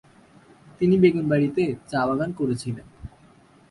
তিনি বেগুনবাড়ীতে চা বাগান করেছিলেন।